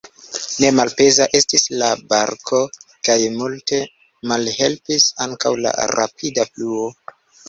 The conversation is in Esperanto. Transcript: Ne malpeza estis la barko kaj multe malhelpis ankaŭ la rapida fluo.